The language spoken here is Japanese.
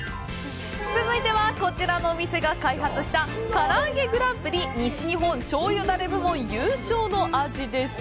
続いては、こちらのお店が開発したからあげグランプリ西日本しょうゆダレ部門優勝の味です！